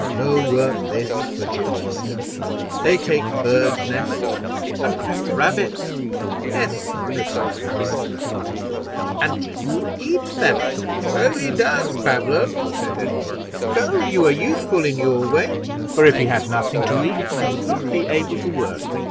No work this for gipsies; they take birds' nests and catch rabbits." "Yes," replied Pablo, nodding, "and you eat them." "So he does, Pablo," said Edward, "so you are useful in your way; for if he had nothing to eat, he would not be able to work.